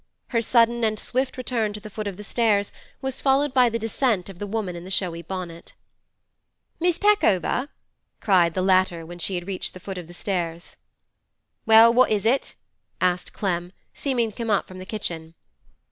Her sudden and swift return to the foot of the stairs was followed by the descent of the woman in the showy bonnet. 'Miss Peckover!' cried the latter when she had reached the foot of the stairs. 'Well, what is it?' asked Clem, seeming to come up from the kitchen.